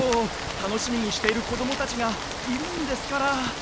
たのしみにしているこどもたちがいるんですから。